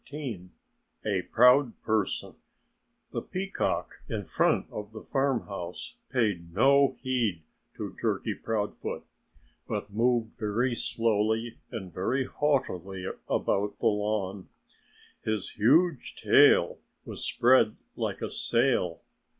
XIV A PROUD PERSON The peacock in front of the farmhouse paid no heed to Turkey Proudfoot, but moved very slowly and very haughtily about the lawn. His huge tail was spread like a sail.